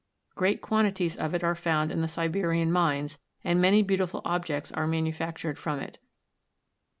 Great quantities of it are found in the Siberian mines, and many beautiful objects are manufactured from it.